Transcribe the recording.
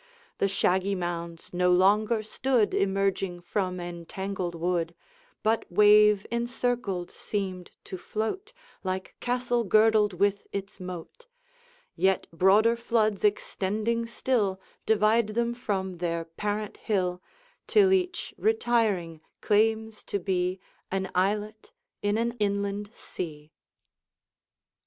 The shaggy mounds no longer stood, Emerging from entangled wood, But, wave encircled, seemed to float, Like castle girdled with its moat; Yet broader floods extending still Divide them from their parent hill, Till each, retiring, claims to be An islet in an inland sea.